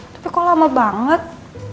tapi kok lama banget